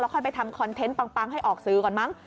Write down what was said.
ค่อยไปทำคอนเทนต์ปังให้ออกสื่อก่อนมั้ง